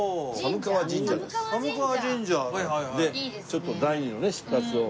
ちょっと第二のね出発を。